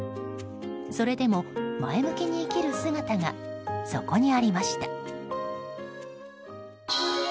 それでも前向きに生きる姿がそこにありました。